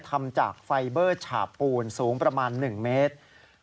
ทำจากไฟเบอร์ฉาบปูนสูงประมาณ๑เมตร